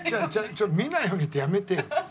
ちょっと見ないようにってやめてよ。